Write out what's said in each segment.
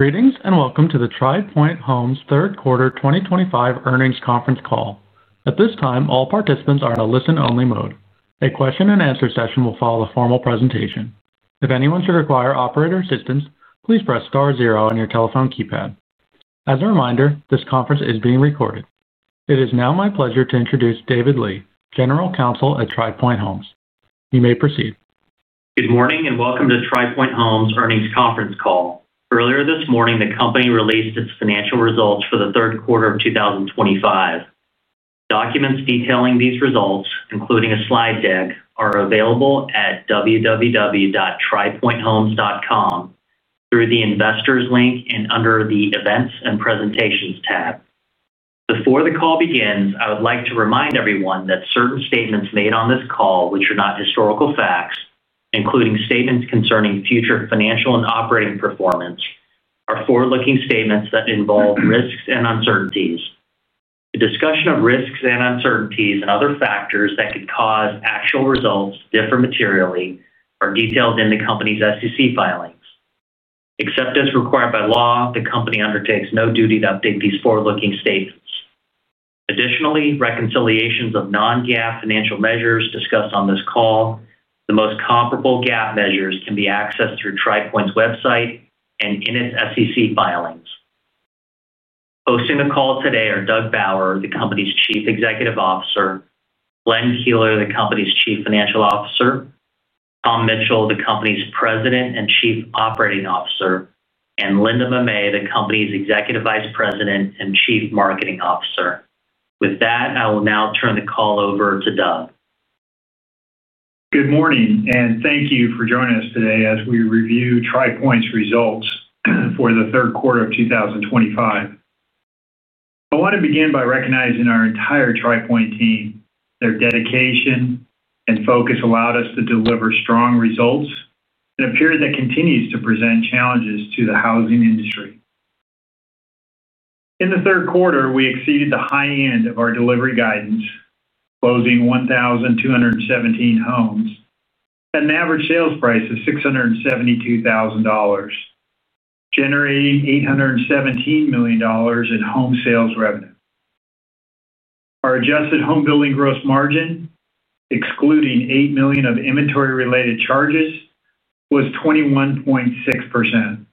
Greetings and welcome to the Tri Pointe Homes Third Quarter 2025 earnings conference call. At this time, all participants are in a listen-only mode. A question and answer session will follow the formal presentation. If anyone should require operator assistance, please press star zero on your telephone keypad. As a reminder, this conference is being recorded. It is now my pleasure to introduce David Lee, General Counsel at Tri Pointe Homes. You may proceed. Good morning and Welcome to Tri Pointe Homes earnings conference call. Earlier this morning, the company released its financial results for the third quarter of 2025. Documents detailing these results, including a slide deck, are available at www.tripointehomes.com through the investors link and under the events and presentations tab. Before the call begins, I would like to remind everyone that certain statements made on this call, which are not historical facts, including statements concerning future financial and operating performance, are forward-looking statements that involve risks and uncertainties. The discussion of risks and uncertainties and other factors that could cause actual results to differ materially are detailed in the company's SEC filings. Except as required by law, the company undertakes no duty to update these forward-looking statements. Additionally, reconciliations of non-GAAP financial measures discussed on this call to the most comparable GAAP measures can be accessed through Tri Pointe website and in its SEC filings. Hosting the call today are Doug Bauer, the company's Chief Executive Officer, Glenn Keeler, the company's Chief Financial Officer, Tom Mitchell, the company's President and Chief Operating Officer, and Linda Mamet, the company's Executive Vice President and Chief Marketing Officer. With that, I will now turn the call over to Doug. Good morning and thank you for joining us today as we review Tri Pointe results for the third quarter of 2025. I want to begin by recognizing our entire Tri Pointe team. Their dedication and focus allowed us to deliver strong results in a period that continues to present challenges to the housing industry. In the third quarter, we exceeded the high end of our delivery guidance, closing 1,217 homes at an average sales price of $672,000, generating $817 million in home sales revenue. Our adjusted homebuilding gross margin, excluding $8 million of inventory-related charges, was 21.6%,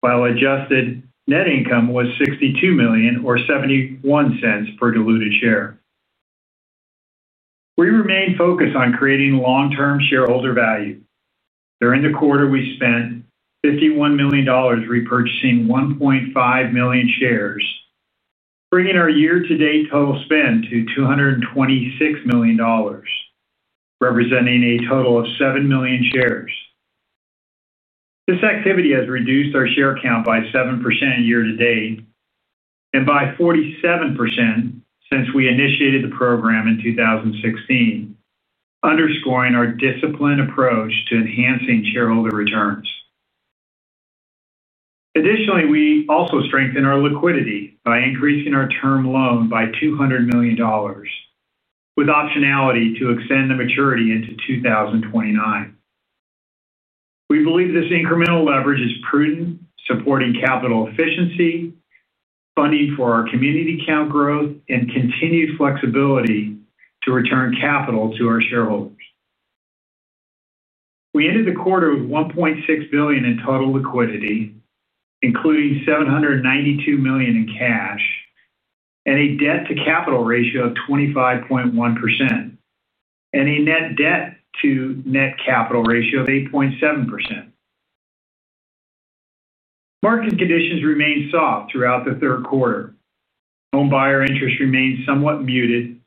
while adjusted net income was $62 million or $0.71 per diluted share. We remain focused on creating long-term shareholder value. During the quarter, we spent $51 million repurchasing 1.5 million shares, bringing our year-to-date total spend to $226 million, representing a total of 7 million shares. This activity has reduced our share count by 7% year to date and by 47% since we initiated the program in 2016, underscoring our disciplined approach to enhancing shareholder returns. Additionally, we also strengthened our liquidity by increasing our term loan by $200 million, with optionality to extend the maturity into 2029. We believe this incremental leverage is prudent, supporting capital efficiency, funding for our community count growth, and continued flexibility to return capital to our shareholders. We ended the quarter with $1.6 billion in total liquidity, including $792 million in cash, and a debt-to-capital ratio of 25.1%, and a net debt-to-net-capital ratio of 8.7%. Market conditions remained soft throughout the third quarter. Homebuyer interest remained somewhat muted,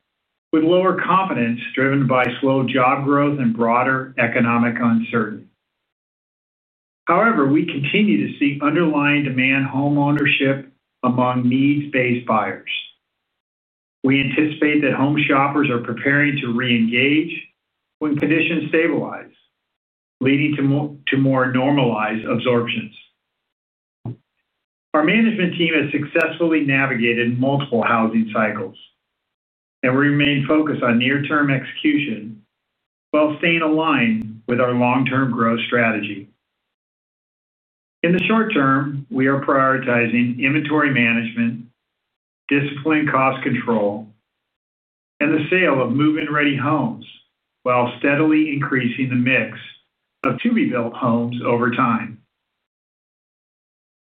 with lower confidence driven by slow job growth and broader economic uncertainty. However, we continue to see underlying demand for home ownership among needs-based buyers. We anticipate that home shoppers are preparing to re-engage when conditions stabilize, leading to more normalized absorptions. Our management team has successfully navigated multiple housing cycles, and we remain focused on near-term execution while staying aligned with our long-term growth strategy. In the short term, we are prioritizing inventory management, disciplined cost control, and the sale of move-in-ready homes while steadily increasing the mix of to-be-built homes over time.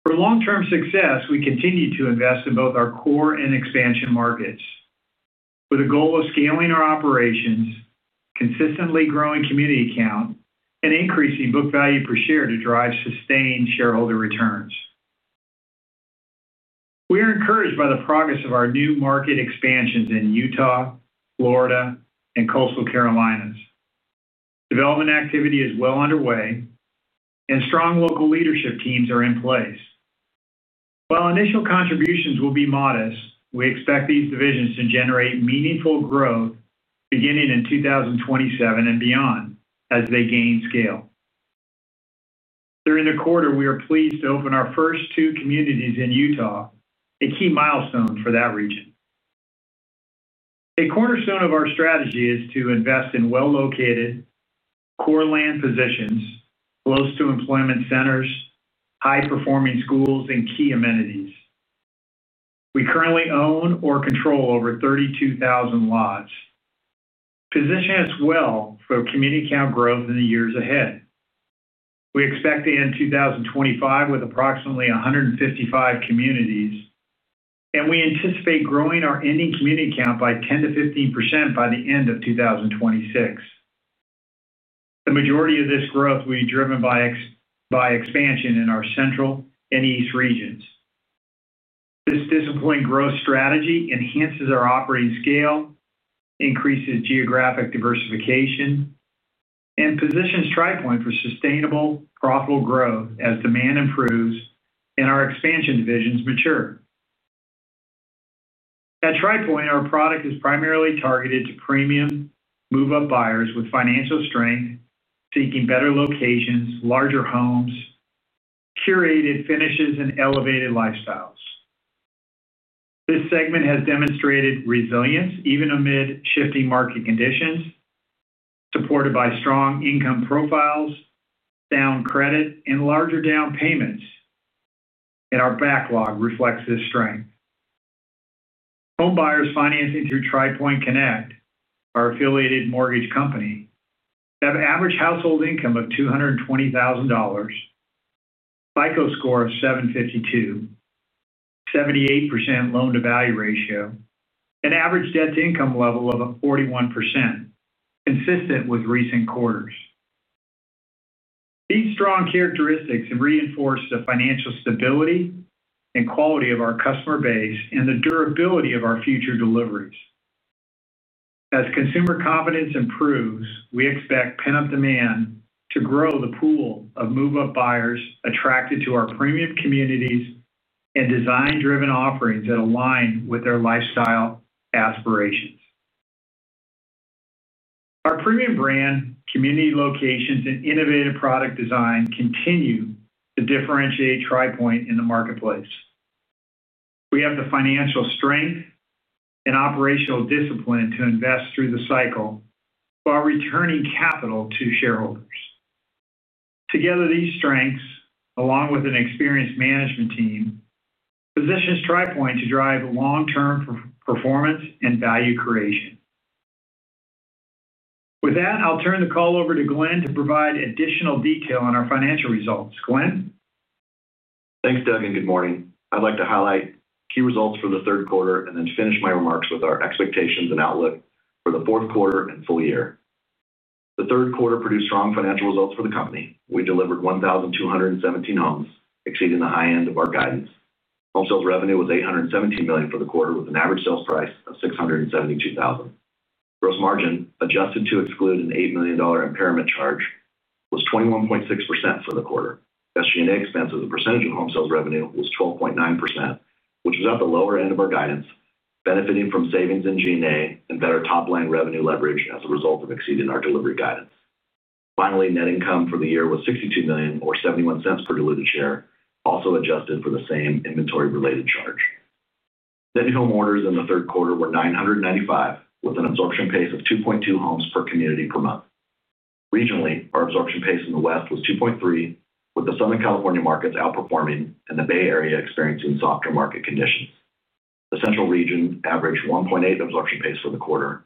For long-term success, we continue to invest in both our core and expansion markets, with a goal of scaling our operations, consistently growing community count, and increasing book value per share to drive sustained shareholder returns. We are encouraged by the progress of our new market expansions in Utah, Florida, and Coastal Carolinas. Development activity is well underway, and strong local leadership teams are in place. While initial contributions will be modest, we expect these divisions to generate meaningful growth beginning in 2027 and beyond as they gain scale. During the quarter, we are pleased to open our first two communities in Utah, a key milestone for that region. A cornerstone of our strategy is to invest in well-located, core land positions close to employment centers, high-performing schools, and key amenities. We currently own or control over 32,000 lots, positioning us well for community count growth in the years ahead. We expect to end 2025 with approximately 155 communities, and we anticipate growing our ending community count by 10% - 15% by the end of 2026. The majority of this growth will be driven by expansion in our central and east regions. This disciplined growth strategy enhances our operating scale, increases geographic diversification, and positions Tri Pointe for sustainable, profitable growth as demand improves and our expansion divisions mature. At Tri Pointe, our product is primarily targeted to premium, move-up buyers with financial strength, seeking better locations, larger homes, curated finishes, and elevated lifestyles. This segment has demonstrated resilience even amid shifting market conditions, supported by strong income profiles, sound credit, and larger down payments, and our backlog reflects this strength. Home buyers financing through Tri Pointe Connect, our affiliated mortgage company, have an average household income of $220,000, FICO score of 752, 78% loan-to-value ratio, and an average debt-to-income level of 41%, consistent with recent quarters. These strong characteristics have reinforced the financial stability and quality of our customer base and the durability of our future deliveries. As consumer confidence improves, we expect pent-up demand to grow the pool of move-up buyers attracted to our premium communities and design-driven offerings that align with their lifestyle aspirations. Our premium brand, community locations, and innovative product design continue to differentiate Tri Pointe in the marketplace. We have the financial strength and operational discipline to invest through the cycle while returning capital to shareholders. Together, these strengths, along with an experienced management team, position Tri Pointe to drive long-term performance and value creation. With that, I'll turn the call over to Glenn to provide additional detail on our financial results. Glenn? Thanks, Doug, and good morning. I'd like to highlight key results for the third quarter and then finish my remarks with our expectations and outlook for the fourth quarter and full year. The third quarter produced strong financial results for the company. We delivered 1,217 homes, exceeding the high end of our guidance. Home sales revenue was $817 million for the quarter, with an average sales price of $672,000. Gross margin, adjusted to exclude an $8 million impairment charge, was 21.6% for the quarter. SG&A expenses, as a percentage of home sales revenue, was 12.9%, which was at the lower end of our guidance, benefiting from savings in G&A and better top-line revenue leverage as a result of exceeding our delivery guidance. Finally, net income for the year was $62 million or $0.71 per diluted share, also adjusted for the same inventory-related charge. Net new home orders in the third quarter were 995, with an absorption pace of 2.2 homes per community per month. Regionally, our absorption pace in the West was 2.3, with the Southern California markets outperforming and the Bay Area experiencing softer market conditions. The Central region averaged 1.8 absorption pace for the quarter,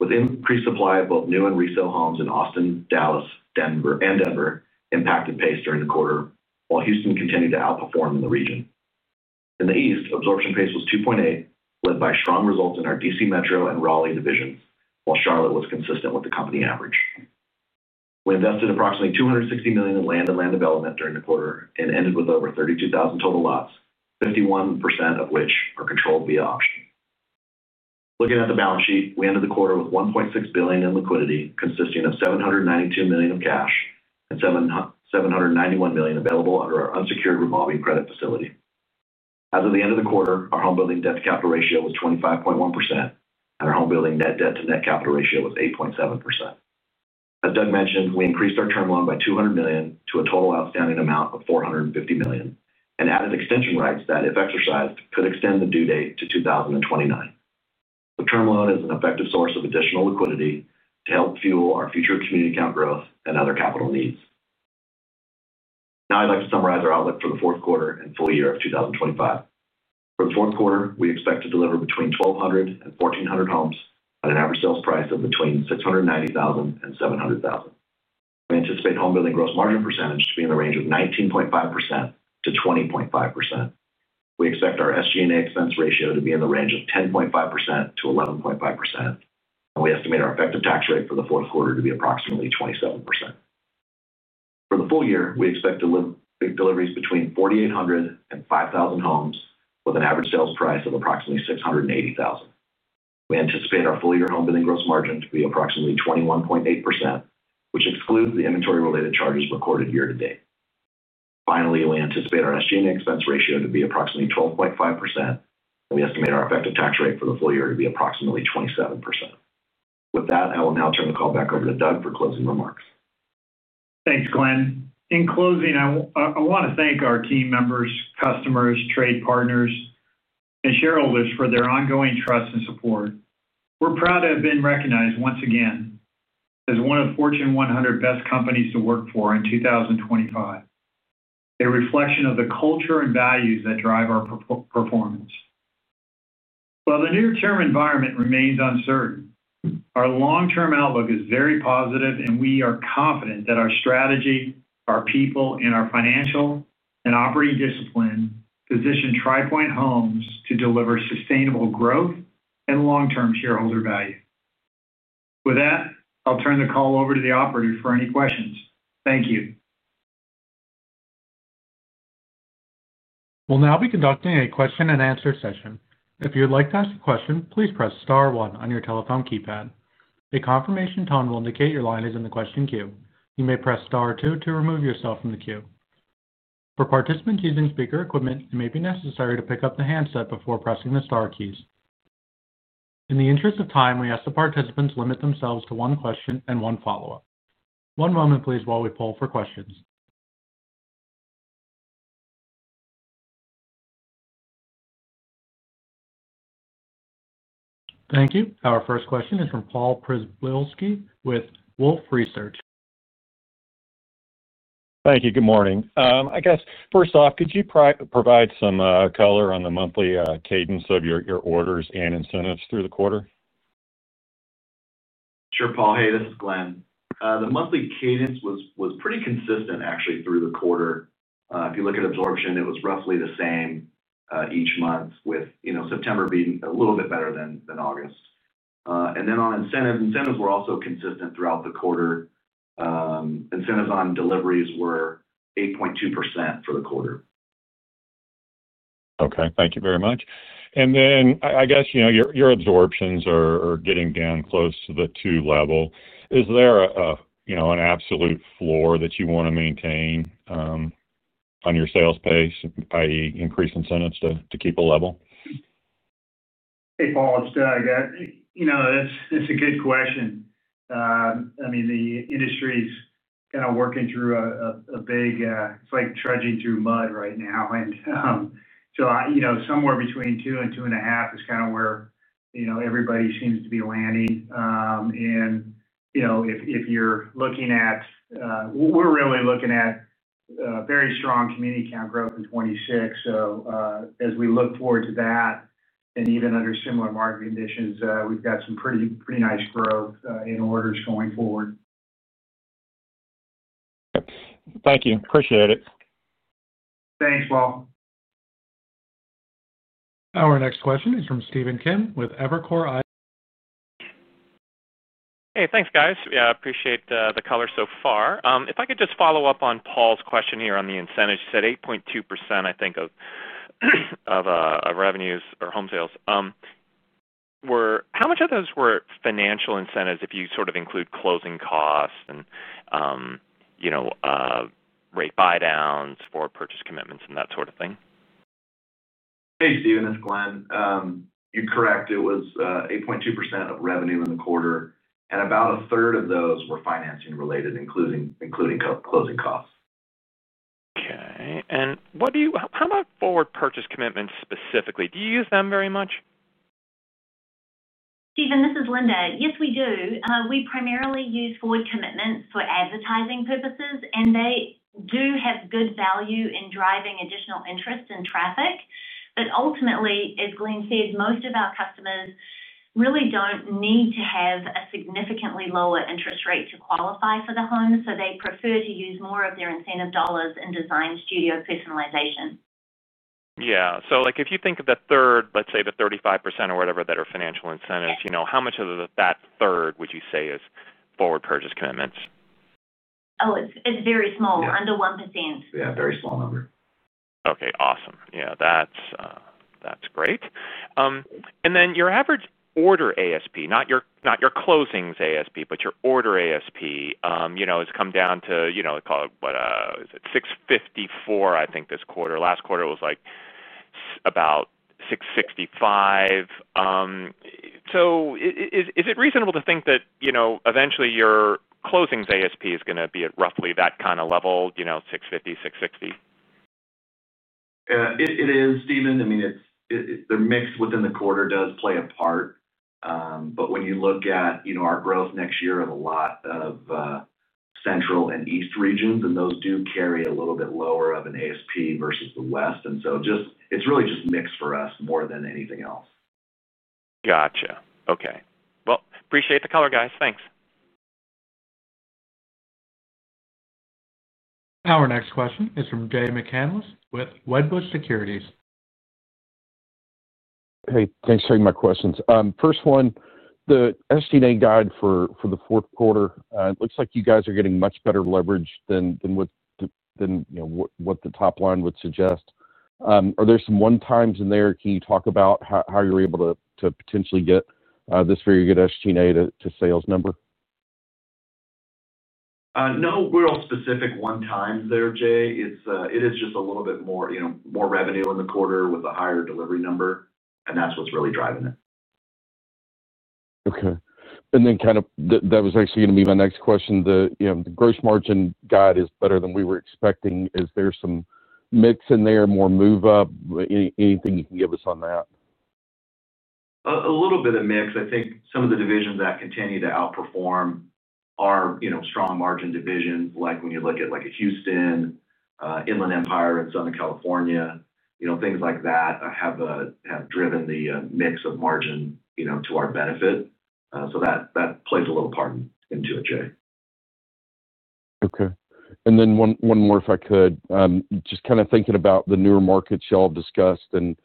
with increased supply of both new and resale homes in Austin, Dallas, and Denver impacted pace during the quarter, while Houston continued to outperform in the region. In the East, absorption pace was 2.8, led by strong results in our DC Metro and Raleigh divisions, while Charlotte was consistent with the company average. We invested approximately $260 million in land and land development during the quarter and ended with over 32,000 total lots, 51% of which are controlled via option. Looking at the balance sheet, we ended the quarter with $1.6 billion in liquidity, consisting of $792 million of cash and $791 million available under our unsecured revolving credit facility. As of the end of the quarter, our homebuilding debt-to-capital ratio was 25.1%, and our homebuilding net debt-to-net-capital ratio was 8.7%. As Doug mentioned, we increased our term loan by $200 million to a total outstanding amount of $450 million and added extension rights that, if exercised, could extend the due date to 2029. The term loan is an effective source of additional liquidity to help fuel our future community count growth and other capital needs. Now I'd like to summarize our outlook for the fourth quarter and full year of 2025. For the fourth quarter, we expect to deliver between 1,200 and 1,400 homes at an average sales price of between $690,000 and $700,000. We anticipate homebuilding gross margin percentage to be in the range of 19.5% - 20.5%. We expect our SG&A expense ratio to be in the range of 10.5% - 11.5%, and we estimate our effective tax rate for the fourth quarter to be approximately 27%. For the full year, we expect to deliver between 4,800 and 5,000 homes with an average sales price of approximately $680,000. We anticipate our full-year homebuilding gross margin to be approximately 21.8%, which excludes the inventory-related charges recorded year to date. Finally, we anticipate our SG&A expense ratio to be approximately 12.5%, and we estimate our effective tax rate for the full year to be approximately 27%. With that, I will now turn the call back over to Doug for closing remarks. Thanks, Glenn. In closing, I want to thank our team members, customers, trade partners, and shareholders for their ongoing trust and support. We're proud to have been recognized once again as one of Fortune 100 Best Companies to Work For in 2025, a reflection of the culture and values that drive our performance. While the near-term environment remains uncertain, our long-term outlook is very positive, and we are confident that our strategy, our people, and our financial and operating discipline position Tri Pointe Homes to deliver sustainable growth and long-term shareholder value. With that, I'll turn the call over to the operator for any questions. Thank you. We'll now be conducting a question and answer session. If you would like to ask a question, please press star one on your telephone keypad. A confirmation tone will indicate your line is in the question queue. You may press star two to remove yourself from the queue. For participants using speaker equipment, it may be necessary to pick up the handset before pressing the star keys. In the interest of time, we ask that participants limit themselves to one question and one follow-up. One moment, please, while we poll for questions. Thank you. Our first question is from Paul Przybylski with Wolfe Research. Thank you. Good morning. I guess, first off, could you provide some color on the monthly cadence of your orders and incentives through the quarter? Sure, Paul. Hey, this is Glenn. The monthly cadence was pretty consistent, actually, through the quarter. If you look at absorption, it was roughly the same each month, with September being a little bit better than August. Incentives were also consistent throughout the quarter. Incentives on deliveries were 8.2% for the quarter. Okay. Thank you very much. I guess you know your absorptions are getting down close to the two level. Is there a, you know, an absolute floor that you want to maintain on your sales pace, i.e., increase incentives to keep a level? Hey, Paul. It's Doug. It's a good question. The industry's kind of working through a big, it's like trudging through mud right now. Somewhere between two and two and a half is kind of where everybody seems to be landing. If you're looking at, we're really looking at very strong community count growth in 2026. As we look forward to that, and even under similar market conditions, we've got some pretty, pretty nice growth in orders going forward. Thank you. Appreciate it. Thanks, Paul. Our next question is from Stephen Kim with Evercore ISI. Hey, thanks, guys. I appreciate the color so far. If I could just follow up on Paul's question here on the incentives, you said 8.2% of revenues or home sales. How much of those were financial incentives if you sort of include closing costs and, you know, rate buydowns for purchase commitments and that sort of thing? Hey, Stephen. It's Glenn. You're correct. It was 8.2% of revenue in the quarter, and about a third of those were financing related, including closing costs. Okay. What do you, how about forward purchase commitments specifically? Do you use them very much? Stephen, this is Linda. Yes, we do. We primarily use forward commitments for advertising purposes, and they do have good value in driving additional interest in traffic. Ultimately, as Glenn said, most of our customers really don't need to have a significantly lower interest rate to qualify for the home, so they prefer to use more of their incentive dollars in design studio personalization. Yeah. If you think of the third, let's say the 35% or whatever that are financial incentives, how much of that third would you say is forward purchase commitments? Oh, it's very small, under 1%. Yeah, very small number. Okay. Awesome. Yeah, that's great. Your average order ASP, not your closings ASP, but your order ASP has come down to, you know, call it, what is it, $654,000, I think, this quarter. Last quarter was like about $665,000. Is it reasonable to think that eventually your closings ASP is going to be at roughly that kind of level, you know, $650,000, $660,000? It is, Stephen. I mean, it's the mix within the quarter does play a part. When you look at, you know, our growth next year of a lot of Central and East regions, those do carry a little bit lower of an ASP versus the West. It's really just mix for us more than anything else. Gotcha. Appreciate the color, guys. Thanks. Our next question is from Jay McCanless with Wedbush Securities. Hey, thanks for taking my questions. First one, the SG&A guide for the fourth quarter, it looks like you guys are getting much better leverage than what the top line would suggest. Are there some one-times in there? Can you talk about how you're able to potentially get this very good SG&A to sales number? No real specific one-times there, Jay. It is just a little bit more, you know, more revenue in the quarter with a higher delivery number, and that's what's really driving it. Okay. That was actually going to be my next question. The gross margin guide is better than we were expecting. Is there some mix in there, more move-up? Anything you can give us on that? A little bit of mix. I think some of the divisions that continue to outperform are, you know, strong margin divisions, like when you look at like a Houston, Inland Empire in Southern California, you know, things like that have driven the mix of margin, you know, to our benefit. That plays a little part into it, Jay. Okay. One more if I could, just kind of thinking about the newer markets y'all have discussed and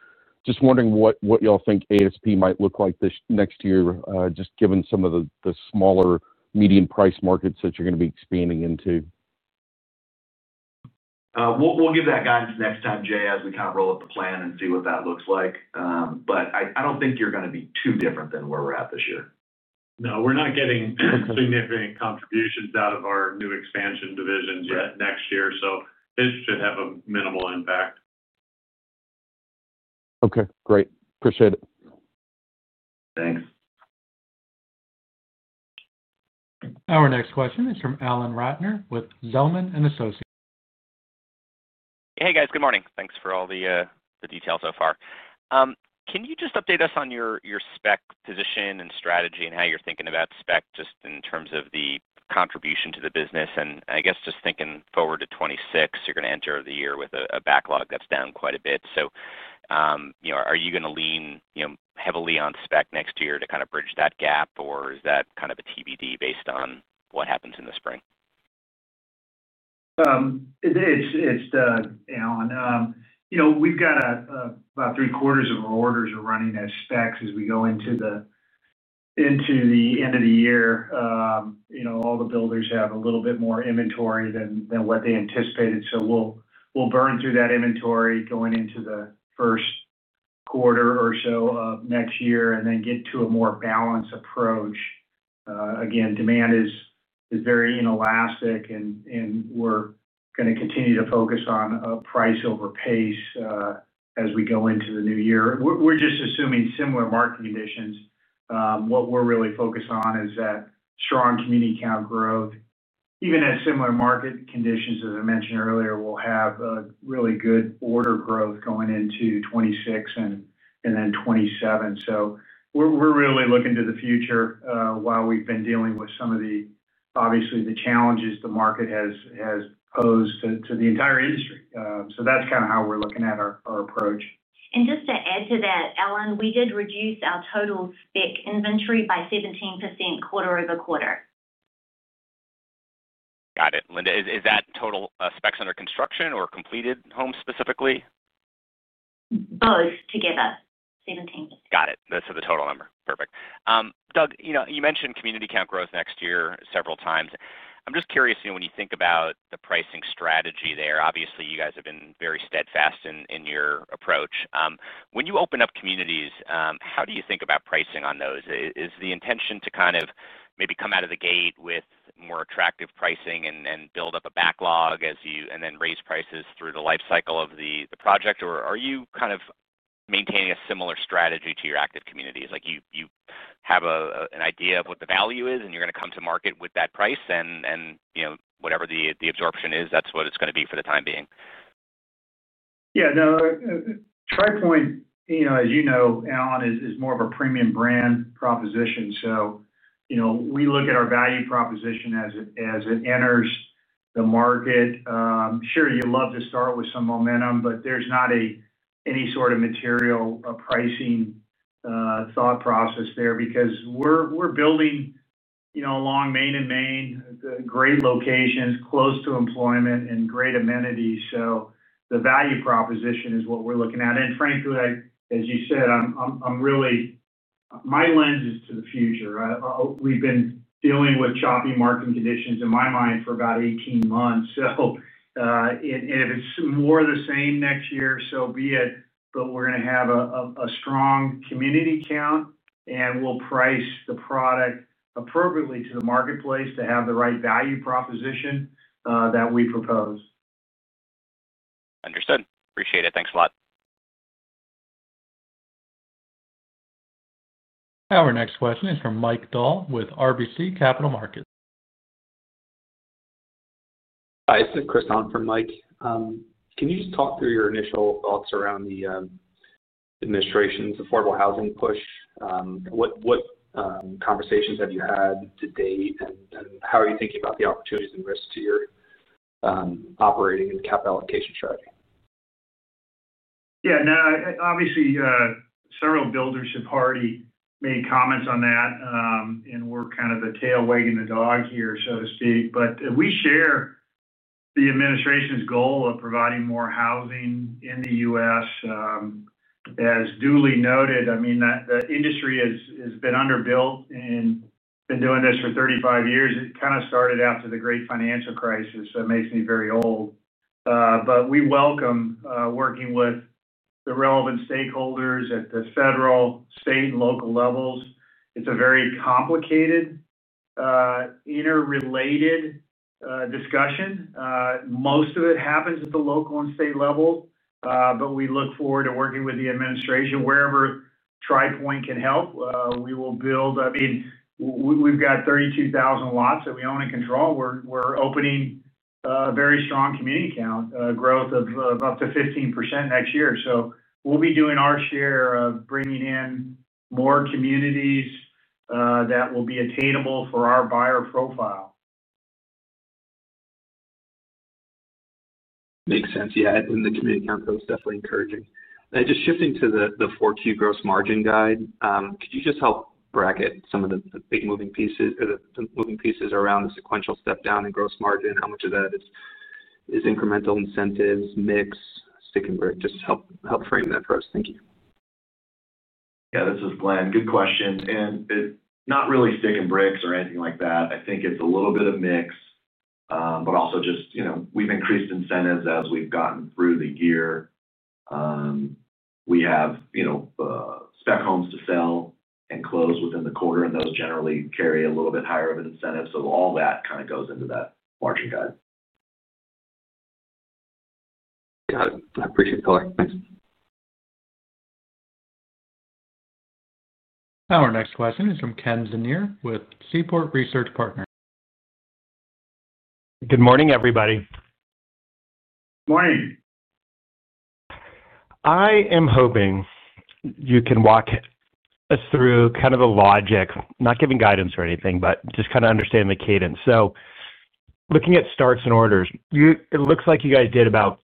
just wondering what y'all think ASP might look like this next year, just given some of the smaller median price markets that you're going to be expanding into. We'll give that guidance next time, Jay, as we kind of roll up the plan and see what that looks like. I don't think you're going to be too different than where we're at this year. No, we're not getting significant contributions out of our new expansion divisions yet next year. It should have a minimal impact. Okay. Great. Appreciate it. Thanks. Our next question is from Alan Ratner with Zelman & Associates. Hey, guys. Good morning. Thanks for all the details so far. Can you just update us on your spec position and strategy and how you're thinking about spec just in terms of the contribution to the business? I guess just thinking forward to 2026, you're going to enter the year with a backlog that's down quite a bit. You know, are you going to lean heavily on spec next year to kind of bridge that gap, or is that kind of a TBD based on what happens in the spring? It's Doug, Alan. We've got about three-quarters of our orders running as specs as we go into the end of the year. All the builders have a little bit more inventory than what they anticipated. We'll burn through that inventory going into the first quarter of next year and then get to a more balanced approach. Demand is very inelastic, and we're going to continue to focus on price over pace as we go into the new year. We're just assuming similar market conditions. What we're really focused on is that strong community count growth. Even in similar market conditions, as I mentioned earlier, we'll have really good order growth going into 2026 and then 2027. We're really looking to the future while we've been dealing with some of the challenges the market has posed to the entire industry. That's kind of how we're looking at our approach. To add to that, Alan, we did reduce our total spec inventory by 17% quarter over quarter. Got it. Linda, is that total specs under construction or completed homes specifically? Both together, 17%. Got it. The total number. Perfect. Doug, you mentioned community count growth next year several times. I'm just curious, when you think about the pricing strategy there, obviously, you guys have been very steadfast in your approach. When you open up communities, how do you think about pricing on those? Is the intention to kind of maybe come out of the gate with more attractive pricing and build up a backlog as you and then raise prices through the lifecycle of the project, or are you kind of maintaining a similar strategy to your active communities? Like you have an idea of what the value is, and you're going to come to market with that price, and you know whatever the absorption is, that's what it's going to be for the time being. Yeah. No, Tri Pointe, you know, as you know, Alan, is more of a premium brand proposition. You know, we look at our value proposition as it enters the market. Sure, you love to start with some momentum, but there's not any sort of material pricing thought process there because we're building, you know, along Main and Main, great locations, close to employment, and great amenities. The value proposition is what we're looking at. Frankly, as you said, I'm really, my lens is to the future. We've been dealing with choppy marketing conditions in my mind for about 18 months. If it's more of the same next year, so be it, but we're going to have a strong community count, and we'll price the product appropriately to the marketplace to have the right value proposition that we propose. Understood. Appreciate it. Thanks a lot. Our next question is from Mikel Dahl with RBC Capital Markets. Hi. This is Chris on from Mike. Can you just talk through your initial thoughts around the administration's affordable housing push? What conversations have you had to date, and how are you thinking about the opportunities and risks to your operating and capital allocation strategy? Yeah. No, obviously, several builders have already made comments on that, and we're kind of the tail wagging the dog here, so to speak. We share the administration's goal of providing more housing in the U.S. As Julie noted, the industry has been underbuilt and been doing this for 35 years. It kind of started after the great financial crisis. That makes me very old. We welcome working with the relevant stakeholders at the federal, state, and local levels. It's a very complicated, interrelated discussion. Most of it happens at the local and state level, but we look forward to working with the administration wherever Tri Pointe can help. We will build, we've got 32,000 lots that we own and control. We're opening a very strong community count growth of up to 15% next year. We'll be doing our share of bringing in more communities that will be attainable for our buyer profile. Makes sense. Yeah, the community count growth is definitely encouraging. Just shifting to the fourth-quarter gross margin guide, could you help bracket some of the big moving pieces or the moving pieces around the sequential step down in gross margin? How much of that is incremental incentives, mix, stick and brick? Just help frame that for us. Thank you. Yeah. This is Glenn. Good question. It's not really sticks and bricks or anything like that. I think it's a little bit of a mix, but also just, you know, we've increased incentives as we've gotten through the year. We have, you know, spec homes to sell and close within the quarter, and those generally carry a little bit higher of an incentive. All that kind of goes into that margin guide. Got it. I appreciate the color. Thanks. Our next question is from Kenneth Zener with Seaport Research Partners. Good morning, everybody. Morning. I am hoping you can walk us through kind of the logic, not giving guidance or anything, but just kind of understand the cadence. Looking at starts and orders, it looks like you guys did about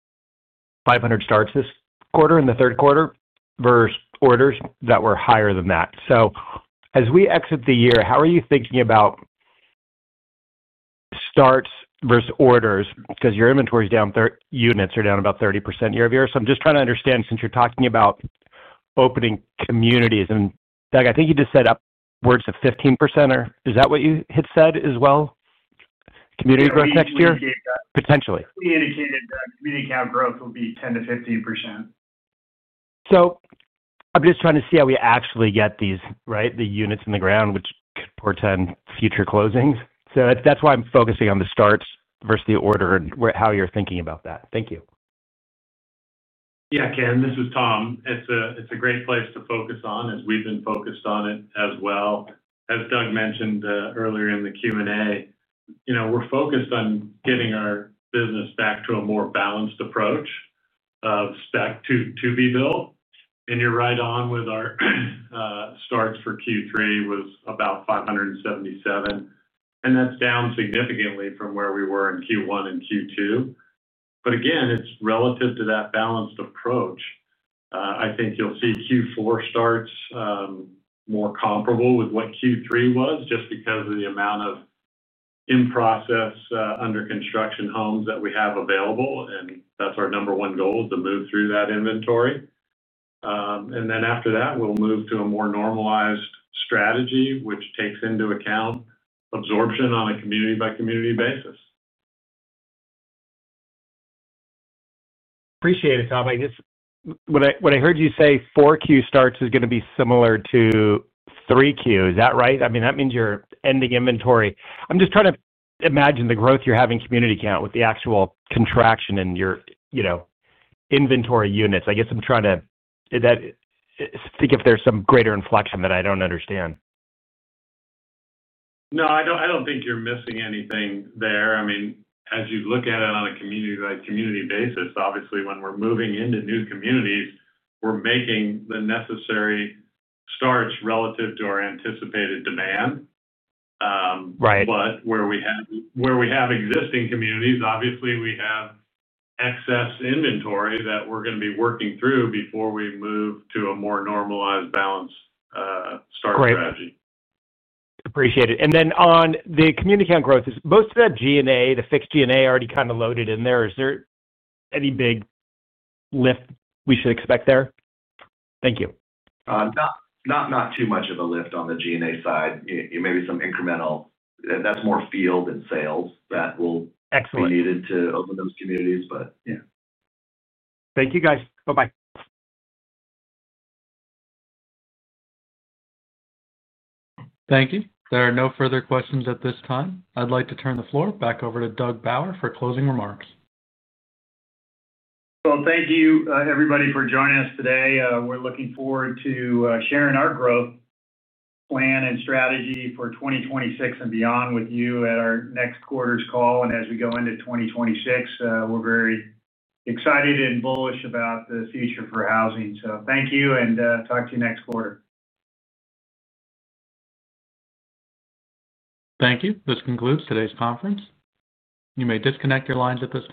500 starts this quarter in the third quarter versus orders that were higher than that. As we exit the year, how are you thinking about starts versus orders? Your inventory is down, units are down about 30% year over year. I'm just trying to understand, since you're talking about opening communities. Doug, I think you just said upwards of 15%, or is that what you had said as well, community count growth next year? We indicated that. Potentially. We indicated that community count growth will be 10% - 15%. I'm just trying to see how we actually get these, right, the units in the ground, which could portend future closings. That's why I'm focusing on the starts versus the order and how you're thinking about that. Thank you. Yeah, Ken. This is Tom. It's a great place to focus on, as we've been focused on it as well. As Doug mentioned earlier in the Q&A, we're focused on getting our business back to a more balanced approach of spec to-be-built. You're right on with our starts for Q3 was about 577, and that's down significantly from where we were in Q1 and Q2. Again, it's relative to that balanced approach. I think you'll see Q4 starts more comparable with what Q3 was just because of the amount of in-process, under-construction homes that we have available. That's our number one goal, to move through that inventory. After that, we'll move to a more normalized strategy, which takes into account absorption on a community-by-community basis. Appreciate it, Tom. I just, what I heard you say, four-Q starts is going to be similar to three-Q. Is that right? I mean, that means you're ending inventory. I'm just trying to imagine the growth you're having community count with the actual contraction in your, you know, inventory units. I guess I'm trying to think if there's some greater inflection that I don't understand. No, I don't think you're missing anything there. I mean, as you look at it on a community-by-community basis, obviously, when we're moving into new communities, we're making the necessary starts relative to our anticipated demand. Right. Where we have existing communities, obviously, we have excess inventory that we're going to be working through before we move to a more normalized, balanced start strategy. Great. Appreciate it. On the community count growth, is most of that G&A, the fixed G&A, already kind of loaded in there? Is there any big lift we should expect there? Thank you. Not too much of a lift on the G&A side. Maybe some incremental, that's more field and sales that will be needed to open those communities, but yeah. Thank you, guys. Bye-bye. Thank you. There are no further questions at this time. I'd like to turn the floor back over to Doug Bauer for closing remarks. Thank you, everybody, for joining us today. We're looking forward to sharing our growth plan and strategy for 2026 and beyond with you at our next quarter's call. As we go into 2026, we're very excited and bullish about the future for housing. Thank you and talk to you next quarter. Thank you. This concludes today's conference. You may disconnect your lines at this point.